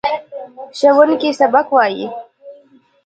ښوونکی سبق وايي.